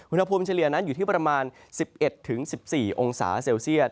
เฉลี่ยนั้นอยู่ที่ประมาณ๑๑๑๔องศาเซลเซียต